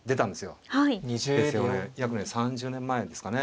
約ね３０年前ですかね。